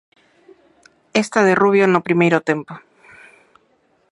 Esta de Rubio no primeiro tempo.